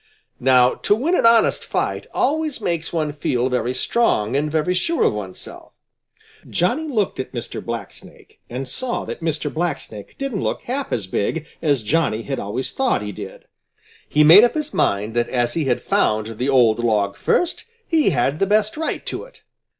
Now to win an honest fight always makes one feel very strong and very sure of oneself. Johnny looked at Mr. Blacksnake and saw that Mr. Blacksnake didn't look half as big as Johnny had always thought he did. He made up his mind that as he had found the old log first, he had the best right to it.